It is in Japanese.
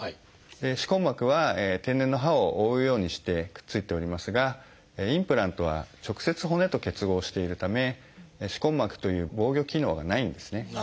歯根膜は天然の歯を覆うようにしてくっついておりますがインプラントは直接骨と結合しているため歯根膜という防御機能がないんですね。